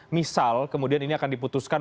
misal kemudian ini akan diputuskan